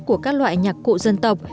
của các loại nhạc cụ dân tộc